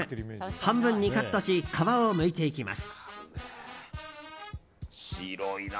半分にカットし皮をむいていきます。